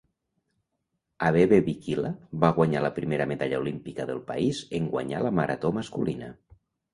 Abebe Bikila va guanyar la primera medalla olímpica del país en guanyar la marató masculina.